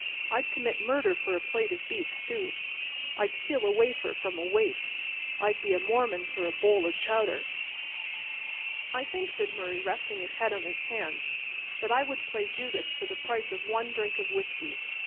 I'd commit murder for a plate of beef stew. I'd steal a wafer from a waif. I'd be a Mormon for a bowl of chowder." "I think," said Murray, resting his head on his hands, "that I would play Judas for the price of one drink of whiskey.